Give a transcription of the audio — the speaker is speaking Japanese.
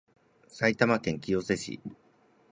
埼玉県清瀬市